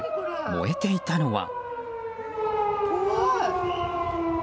燃えていたのは。